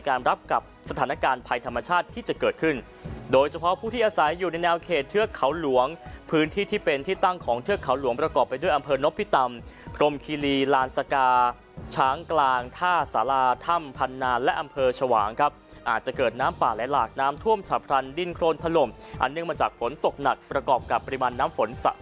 การรับกับสถานการณ์ภัยธรรมชาติที่จะเกิดขึ้นโดยเฉพาะผู้ที่อาศัยอยู่ในแนวเขตเทือกเขาหลวงพื้นที่ที่เป็นที่ตั้งของเทือกเขาหลวงประกอบไปด้วยอำเภอนพิตามพรมคิรีลานสกาช้างกลางท่าสาราถ้ำพันธุ์นานและอำเภอชวางครับอาจจะเกิดน้ำป่าและหลากน้ำท่วมฉะพรรณดินโครนทะลมอันเนื่องมา